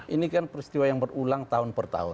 ini kan peristiwa yang berulang tahun per tahun